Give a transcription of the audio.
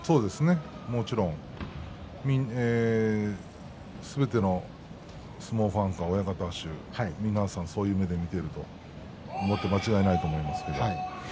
もちろんすべての相撲ファンや親方衆皆さん、そういう目で見ていると思って間違いないですね。